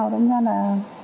nó không biết được là do đâu